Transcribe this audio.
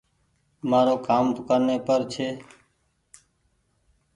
مآرو ڪآم دڪآن ني پر ڇي